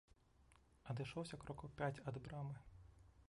Адышоўся крокаў пяць ад брамы.